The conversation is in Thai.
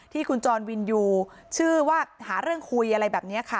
ที่คุณจรวินยูชื่อว่าหาเรื่องคุยอะไรแบบนี้ค่ะ